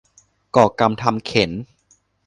ก่อกรรมทำเข็ญ